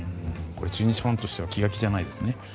中日ファンとしては気が気じゃないですね。